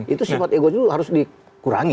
itu sifat ego juga harus dikurangi